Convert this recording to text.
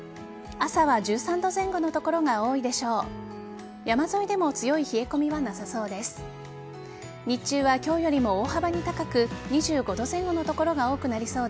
朝は１３度前後の所が多いでしょう。